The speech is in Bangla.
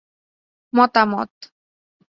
মতামত